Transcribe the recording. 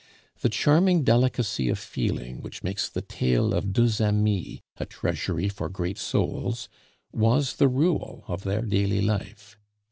The charming delicacy of feeling which makes the tale of Deux Amis a treasury for great souls, was the rule of their daily life.